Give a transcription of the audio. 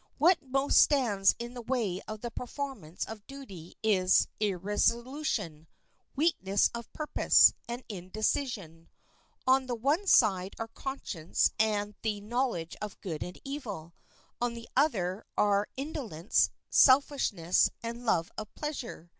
What most stands in the way of the performance of duty is irresolution, weakness of purpose, and indecision. On the one side are conscience and the knowledge of good and evil; on the other are indolence, selfishness, and love of pleasure.